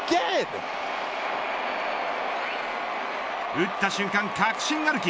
打った瞬間確信歩き。